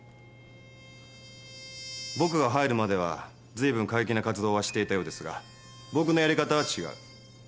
僕が入るまではずいぶん過激な活動はしていたようですが僕のやり方は違う。